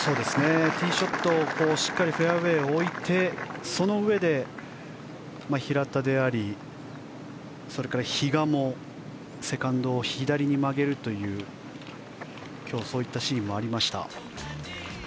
ティーショットしっかりフェアウェーに置いてそのうえで、平田や比嘉もセカンドを左に曲げるという今日はそういったシーンもありました。